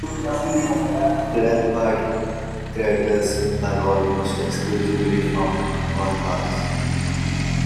Rampart craters are almost exclusively found on Mars.